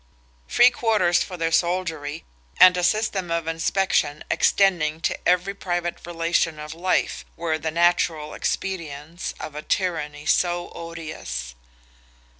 Free quarters for their soldiery, and a system of inspection extending to every private relation of life, were the natural expedients of a tyranny so odious.